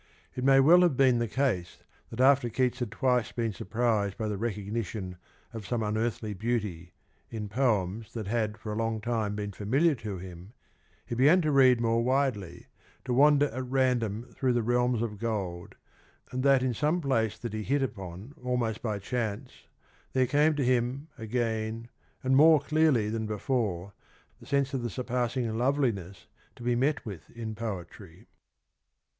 It may well have been the case that after Keats had twice been surprised by the recognition of some unearthly beauty in poems that had for a long time been familiar to him, he began to read more widely, to wander at ran dom through the realms of gold, and that in some place that he hit upon almost by chance there came to him again, and more clearly than before, the sense of the surpassing loveliness to be met with in poetry.